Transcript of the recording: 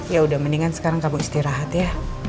yaudah mendingan sekarang kamu istirahat ya